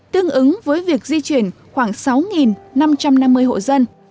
tương ứng với việc di chuyển khoảng sáu năm trăm năm mươi hộ dân